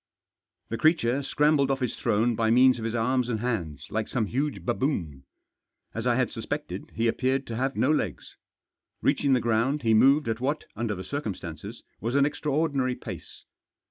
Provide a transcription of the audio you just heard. The creature scrambled off his throne by means of his arms and hands, like some huge baboon. As I had suspected, he appeared to have no legs. Reaching the ground he moved at what, under the circum stances, was an extraordinary pace.